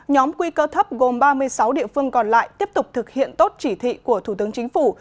nhóm nguy cơ thấp gồm ba mươi sáu địa phương còn lại tiếp tục thực hiện tốt chỉ thị của thủ tướng chính phủ